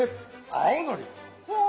青のり。